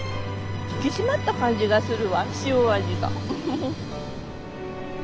引き締まった感じがするわ塩味が。